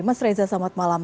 mas reza selamat malam